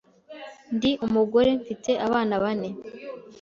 Ndi umugore mfite abana bane